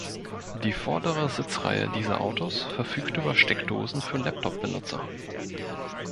Die vordere Sitzreihe dieser Autos verfügt über Steckdosen für Laptop-Benutzer.